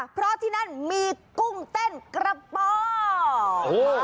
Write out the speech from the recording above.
เพราะที่นั่นมีกุ้งเต้นกระป๋อง